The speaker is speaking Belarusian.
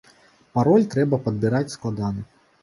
Пароль трэба падбіраць складаны.